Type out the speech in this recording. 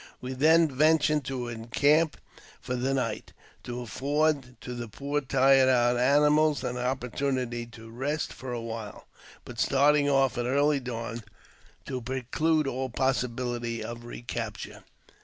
We then ventured to encamp for the night, to afford to the^ poor tired out animals an opportunity to rest for a while, but. starting off at early dawn to preclude all possibility of re capture.